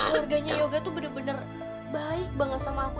keluarganya yoga tuh bener bener baik banget sama aku